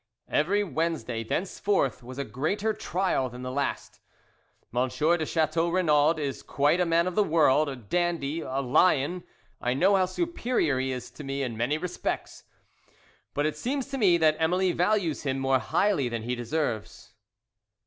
"Every Wednesday thenceforth was a greater trial than the last. "M. de Chateau Renaud is quite a man of the world, a dandy a lion I know how superior he is to me in many respects. But it seems to me that Emily values him more highly than he deserves.